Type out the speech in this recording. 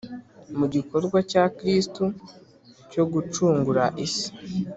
mu gikorwa cya kristu cyogucungura isi.